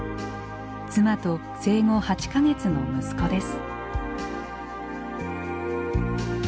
妻と生後８か月の息子です。